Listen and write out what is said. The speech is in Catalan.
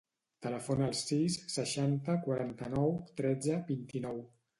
Telefona al sis, seixanta, quaranta-nou, tretze, vint-i-nou.